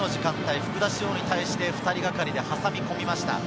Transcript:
福田師王に対して、２人がかりで挟み込みました。